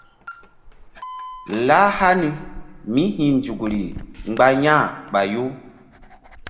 Lah hani míhi̧nzukri mgba yah ɓayu.